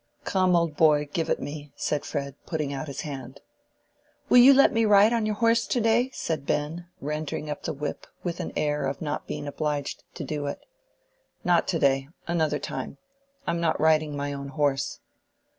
"Come, old boy, give it me," said Fred, putting out his hand. "Will you let me ride on your horse to day?" said Ben, rendering up the whip, with an air of not being obliged to do it. "Not to day—another time. I am not riding my own horse."